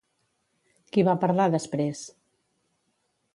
Qui va parlar després?